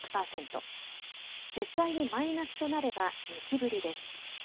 実際にマイナスとなれば、２期ぶりです。